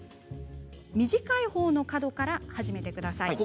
短いほうの角から始めてください。